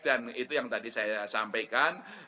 dan itu yang tadi saya sampaikan